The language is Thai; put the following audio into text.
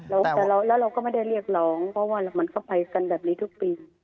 แล้วเราก็ไม่ได้เรียกร้องเพราะว่ามันก็ไปกันแบบนี้ทุกปี